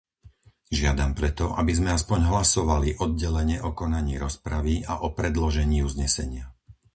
Žiadam preto, aby sme aspoň hlasovali oddelene o konaní rozpravy a o predložení uznesenia.